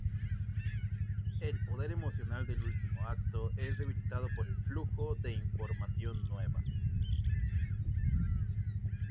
El poder emocional del último acto es debilitado por el flujo de información nueva.